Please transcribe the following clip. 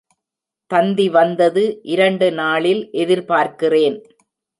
தந்தி வந்தது இரண்டு நாளில் எதிர்பார்க்கிறேன்.